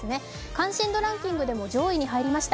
関心度ランキングでも上位に入りました。